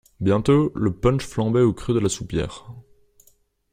Bientôt le punch flambait au creux de la soupière.